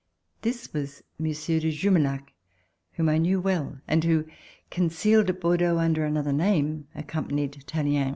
This was Monsieur de Jumilhac, whom I knew well, and who, concealed at Bordeaux under another name, accompanied Tallien.